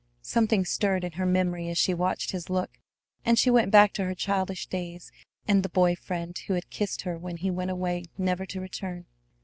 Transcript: Something stirred in her memory as she watched his look, and she went back to her childish days and the boy friend who had kissed her when he went away never to return.